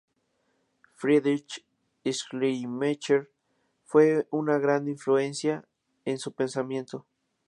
Friedrich Schleiermacher fue una gran influencia en su pensamiento.